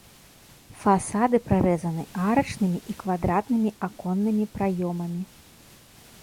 Фасады прарэзаны арачнымі і квадратнымі аконнымі праёмамі.